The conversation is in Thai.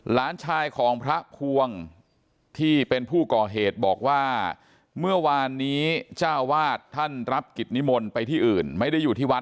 หลานชายของพระภวงที่เป็นผู้ก่อเหตุบอกว่าเมื่อวานนี้เจ้าวาดท่านรับกิจนิมนต์ไปที่อื่นไม่ได้อยู่ที่วัด